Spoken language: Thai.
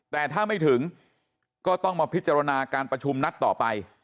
แต่ถ้าไม่ถึงก็ต้องมาพิจารณาการประชุมนัดต่อไป